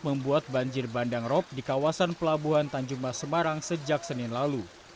membuat banjir bandang rop di kawasan pelabuhan tanjung mas semarang sejak senin lalu